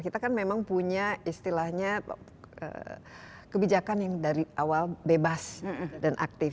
kita kan memang punya istilahnya kebijakan yang dari awal bebas dan aktif